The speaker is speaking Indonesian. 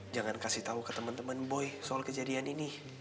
jangan kasih tau ke temen temen boy soal kejadian ini